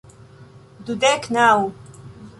Dudek naŭ